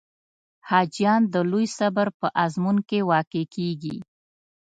حاجیان د لوی صبر په آزمون کې واقع کېږي.